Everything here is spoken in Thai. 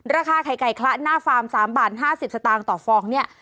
ราคาไข่ไก่คละหน้าฟาร์ม๓บาท๕๐สตางค์ต่อฟองเนี่ย